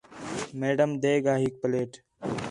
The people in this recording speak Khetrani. میڈم دیگ آ ہِک پلیٹ